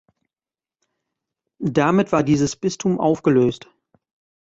Damit war dieses Bistum aufgelöst.